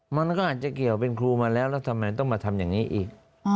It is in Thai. มันก็อาจจะเกี่ยวเป็นครูมาแล้วแล้วทำไมต้องมาทำอย่างนี้อีก